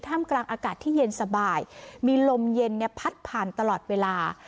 มกลางอากาศที่เย็นสบายมีลมเย็นเนี่ยพัดผ่านตลอดเวลา